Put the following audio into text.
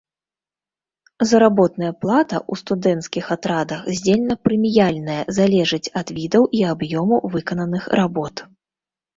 Заработная плата ў студэнцкіх атрадах здзельна-прэміяльная, залежыць ад відаў і аб'ёму выкананых работ.